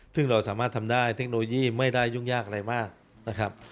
ซึ่งเราสามารถทำได้เทคโนโลยีไม่ได้ยุ่งยากอะไรมากนะครับ